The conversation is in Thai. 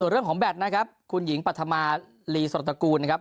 เรื่องของแบตนะครับคุณหญิงปัธมาลีสรตระกูลนะครับ